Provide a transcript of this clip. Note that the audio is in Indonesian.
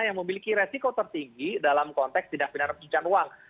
yang memiliki resiko tertinggi dalam konteks tindak pidana pencucian uang